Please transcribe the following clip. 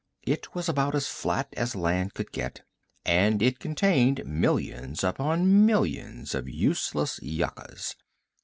It was about as flat as land could get, and it contained millions upon millions of useless yuccas.